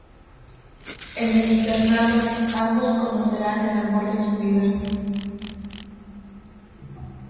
En el internado, ambos conocerán al amor de su vida.